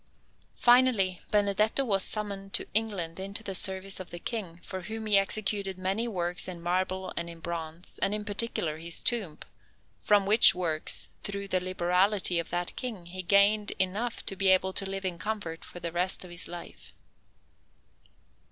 Finally, Benedetto was summoned to England into the service of the King, for whom he executed many works in marble and in bronze, and, in particular, his tomb; from which works, through the liberality of that King, he gained enough to be able to live in comfort for the rest of his life.